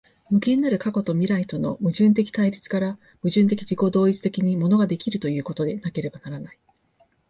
無限なる過去と未来との矛盾的対立から、矛盾的自己同一的に物が出来るということでなければならない。